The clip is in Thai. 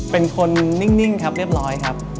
เป็นคนนิ่งครับเรียบร้อยครับ